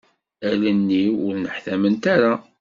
Allen-iw ur nneḥtament ara.